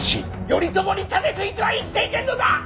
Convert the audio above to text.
頼朝に盾ついては生きていけんのだ！